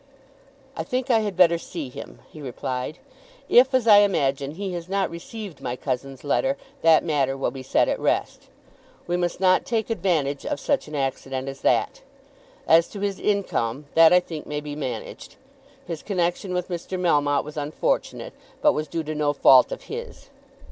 "I think I had better see him," he replied. "If, as I imagine, he has not received my cousin's letter, that matter will be set at rest. We must not take advantage of such an accident as that. As to his income, that I think may be managed. His connection with Mr. Melmotte was unfortunate, but was due to no fault of his."